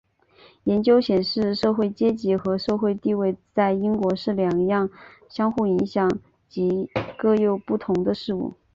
研究显示社会阶级和社会地位在英国是两样相互影响又各有不同的事物。